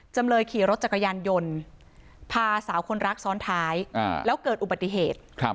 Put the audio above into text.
จำเลยขี่รถจักรยานยนต์พาสาวคนรักซ้อนท้ายแล้วเกิดอุบัติเหตุ